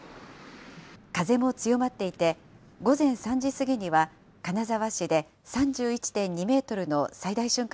風も強まっていて、午前３時過ぎには金沢市で３１．２メートルの最大瞬間